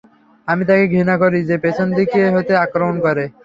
আমি তাকে ঘৃণা করি, যে পেছন দিকে হতে আক্রমণ করে।